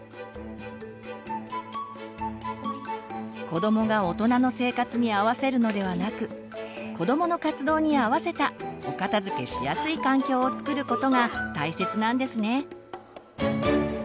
子どもが大人の生活に合わせるのではなく子どもの活動に合わせたお片づけしやすい環境をつくることが大切なんですね。